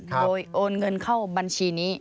โดยโอนเงินเข้าบัญชีนี้